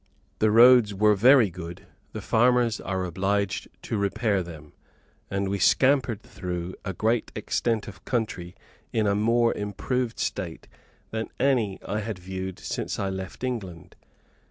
The roads were very good; the farmers are obliged to repair them; and we scampered through a great extent of country in a more improved state than any I had viewed since I left England.